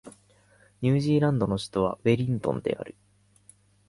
ニュージーランドの首都はウェリントンである